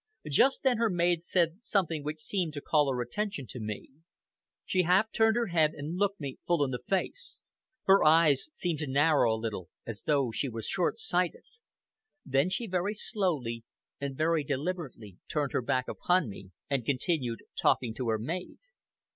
Just then her maid said something which seemed to call her attention to me. She half turned her head and looked me full in the face. Her eyes seemed to narrow a little, as though she were short sighted. Then she very slowly and very deliberately turned her back upon me, and continued talking to her maid.